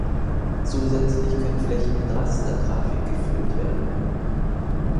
Zusätzlich können Flächen mit Rastergrafik gefüllt werden.